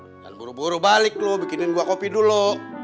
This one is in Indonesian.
jangan buru buru balik lu bikinin gua kopi dulu